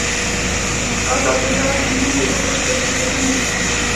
آزاد تجارت مهم دی ځکه چې کمپیوټرونه رسوي.